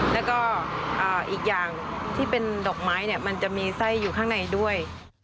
แล้วก็อีกอย่างที่เป็นดอกไม้เนี่ยมันจะมีไส้อยู่ข้างในด้วย